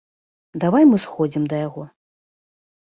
Давай мы сходзім да яго.